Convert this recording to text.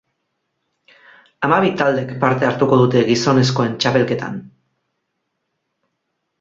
Hamabi taldek parte hartuko dute gizonezkoen txapelketan.